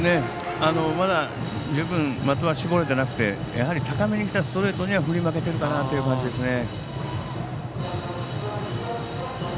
まだ十分的は絞れてなくてやはり高めにきたストレートには振り負けているかなという感じです。